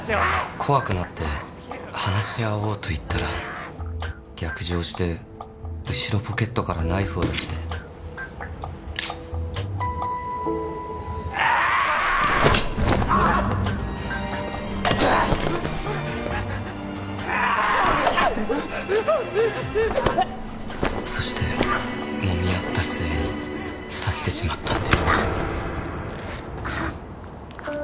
・怖くなって「話し合おう」と言ったら逆上して後ろポケットからナイフを出してああー！ああーッ！・そしてもみ合った末に刺してしまったんです